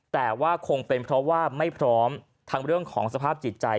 แต่ว่าคงเป็นเพราะว่าไม่พร้อมทั้งเรื่องของสภาพจิตใจ